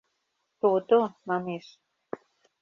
— То-то, манеш.